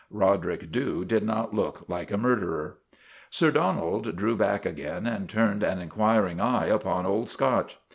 Roderick Dhu did not look tike a murderer. Sir Donald drew back again and turned an in quiring eye upon Old Scotch.